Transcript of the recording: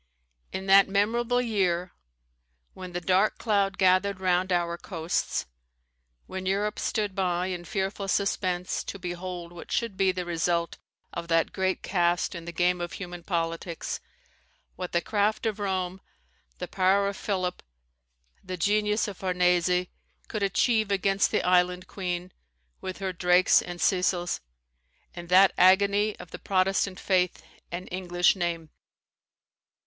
"In that memorable year, when the dark cloud gathered round our coasts, when Europe stood by in fearful suspense to behold what should be the result of that great cast in the game of human politics, what the craft of Rome, the power of Philip, the genius of Farnese, could achieve against the island queen, with her Drakes and Cecils, in that agony of the Protestant faith and English name."